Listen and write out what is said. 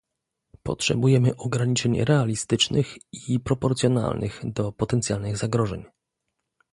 Potrzebujemy ograniczeń realistycznych i proporcjonalnych do potencjalnych zagrożeń